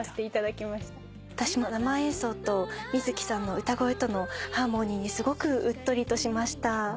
生演奏と観月さんの歌声とのハーモニーにすごくうっとりとしました。